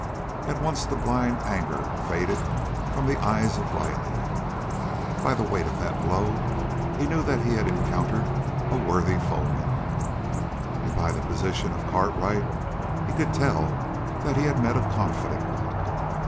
At once the blind anger faded from the eyes of Riley. By the weight of that first blow he knew that he had encountered a worthy foeman, and by the position of Cartwright he could tell that he had met a confident one.